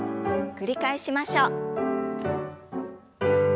繰り返しましょう。